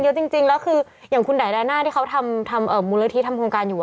เยอะจริงแล้วคืออย่างคุณไดดาน่าที่เขาทำมูลนิธิทำโครงการอยู่